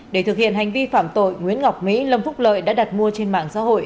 để thực hiện hành vi phạm tội nguyễn ngọc mỹ lâm phúc lợi đã đặt mua trên mạng xã hội